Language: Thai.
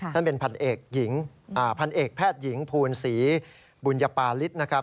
ท่านเป็นพันเอกแพทย์หญิงภูลศรีบุญปาริสนะครับ